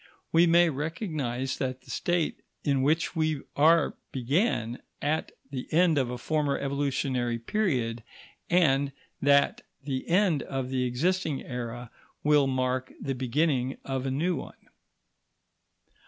We may recognise that the state in which we are began at the end of a former evolutionary period, and that the end of the existing era will mark the beginning of a new one.